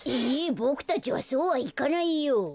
ボクたちはそうはいかないよ。